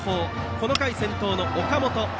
この回、先頭の岡本。